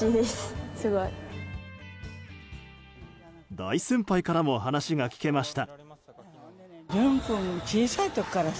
大先輩からも話が聞けました。